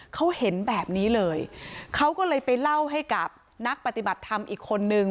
เขาเห็นแบบนี้เลยเขาก็เลยไปเล่าให้กับนักปฏิบัติธรรมอีกคนนึง